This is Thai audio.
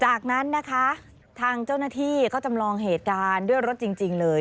จากนั้นนะคะทางเจ้าหน้าที่ก็จำลองเหตุการณ์ด้วยรถจริงเลย